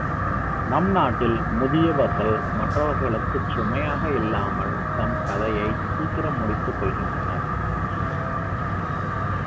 நம் நாட்டில் முதியவர்கள் மற்றவர்க்குச் சுமையாக இல்லாமல் தம் கதையைச் சீக்கிரம் முடித்துக் கொள்கின்றனர்.